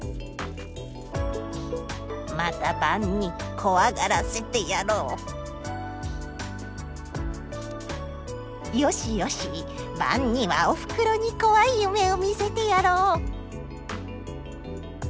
「また晩に怖がらせてやろう」。「よしよし晩にはおふくろに怖い夢を見せてやろう」。